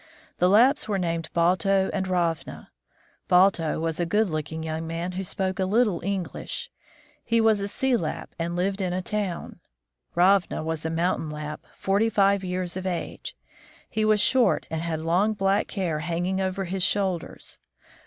The Lapps were named Balto and Ravna. Balto was a good looking young man, who spoke a little English ; he was a sea Lapp A Herd of Reindeer. and lived in a town. Ravna was a mountain Lapp, forty five years of age. He was short, and had long, black hair hanging over his shoulders.